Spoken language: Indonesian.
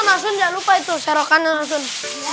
nanti langsung jangan lupa serokan langsung